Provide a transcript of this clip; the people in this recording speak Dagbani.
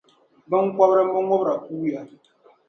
Biŋkɔbiri mɔŋubira kuuya.